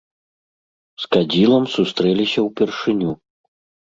З кадзілам сустрэліся ўпершыню.